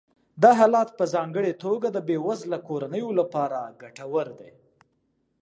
دا حالت په ځانګړې توګه د بې وزله کورنیو لپاره ګټور دی